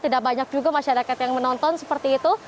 tidak banyak juga masyarakat yang menonton seperti itu